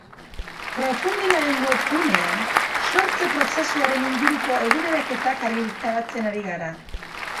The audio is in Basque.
Crowdfunding-aren webgunean, sortze prozesuaren inguruko eguneraketak argitaratzen ari gara.